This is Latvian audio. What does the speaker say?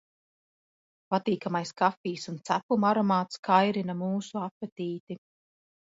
Patīkamais kafijas un cepumu aromāts kairina mūsu apetīti.